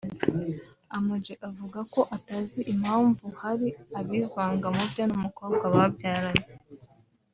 Ama-G avuga ko atazi impamvu hari abivanga mu bye n’umukobwa babyaranye